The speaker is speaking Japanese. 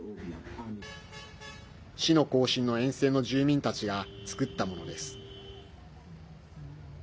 死の行進の沿線の住民たちが作ったものです。